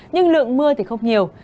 nhưng lượng mưa thì không nhiều